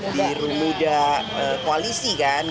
biru muda koalisi kan